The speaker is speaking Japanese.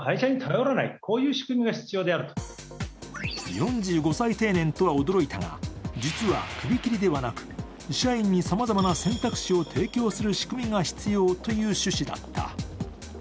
４５歳定年とは驚いたが、実は首切りではなく、社員にさまざまな機会を提供する仕組みが必要という趣旨だった。